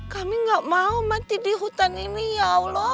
kami gak mau mati di hutan ini ya allah